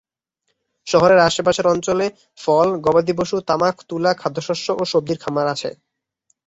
শহরের আশেপাশের অঞ্চলে ফল, গবাদিপশু, তামাক, তুলা, খাদ্যশস্য ও সবজির খামার আছে।